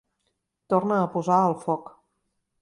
Torna a posar al foc.